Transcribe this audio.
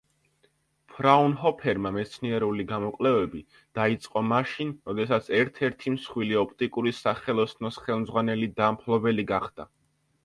ფრაუნჰოფერმა მეცნიერული გამოკვლევები დაიწყო მაშინ, როდესაც ერთ-ერთი მსხვილი ოპტიკური სახელოსნოს ხელმძღვანელი და მფლობელი გახდა.